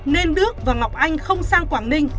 nên đức và ngọc anh không sang quảng ninh